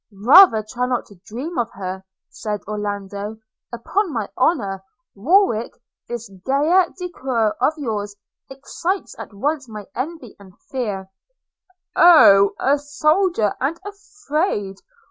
'Rather try not to dream of her,' said Orlando; 'upon my honour, Warwick, this gaieté de coeur of yours excites at once my envy and my fear.' 'Oh! a soldier, and afraid!